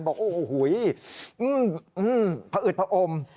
บอกโอ้โหผอึดผอม